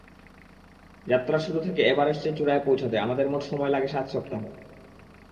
যাত্রা শুরু থেকে এভারেস্টের চূড়ায় পৌঁছাতে আমাদের মোট সময় লাগে সাত সপ্তাহ।